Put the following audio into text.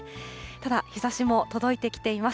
ただ日ざしも届いてきています。